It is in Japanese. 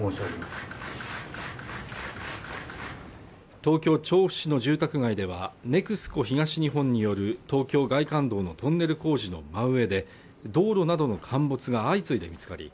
東京調布市の住宅街ではＮＥＸＣＯ東日本による東京外環道のトンネル工事の真上で道路などの陥没が相次いで見つかり